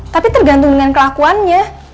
tapi tergantung dengan kelakuannya